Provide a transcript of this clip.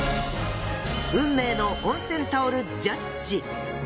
運命の温泉タオルジャッジ。